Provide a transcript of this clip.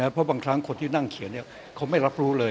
เพราะบางครั้งคนที่นั่งเขียนเขาไม่รับรู้เลย